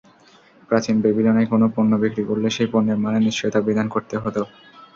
প্রাচীন ব্যাবিলনে কোনো পণ্য বিক্রি করলে সেই পণ্যের মানে নিশ্চয়তা বিধান করতে হতো।